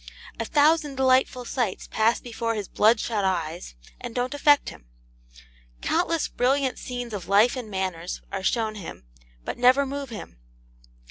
A thousand delightful sights pass before his bloodshot eyes, and don't affect him. Countless brilliant scenes of life and manners are shown him, but never move him.